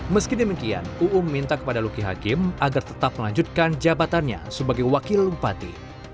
meski demikian uu meminta kepada luki hakim agar tetap melanjutkan jabatannya sebagai wakil lumpati